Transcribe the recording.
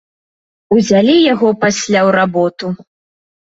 Узялі яго пасля ў работу!